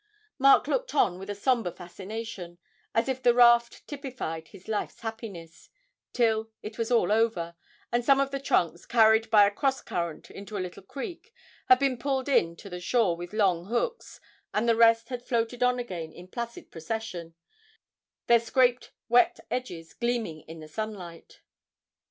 Mark looked on with a sombre fascination, as if the raft typified his life's happiness, till it was all over, and some of the trunks, carried by a cross current into a little creek, had been pulled in to the shore with long hooks, and the rest had floated on again in placid procession, their scraped wet edges gleaming in the sunlight.